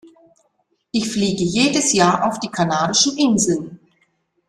Ich fliege jedes Jahr auf die Kanarischen Inseln.